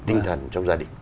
tinh thần trong gia đình